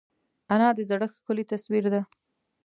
انا د زړښت ښکلی تصویر ده